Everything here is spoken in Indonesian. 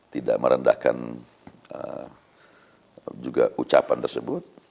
tidak merendahkan juga ucapan tersebut